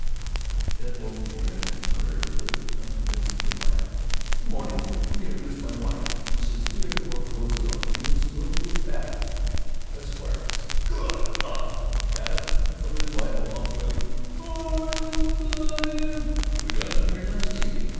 Ted woke to grin, and to mutter with unconvincing defiance, "Good morning! Let me introduce my wife Mrs. Theodore Roosevelt Eunice Littlefield Babbitt, Esquiress." "Good God!" from Babbitt, and from his wife a long wailing, "You've gone and " "We got married last evening.